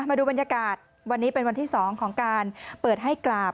มาดูบรรยากาศวันนี้เป็นวันที่๒ของการเปิดให้กราบ